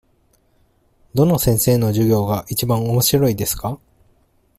どの先生の授業がいちばんおもしろいですか。